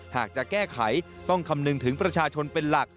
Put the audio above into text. หากจะแก้ไขต้องคำนึงถึงประชาชนเป็นหลัก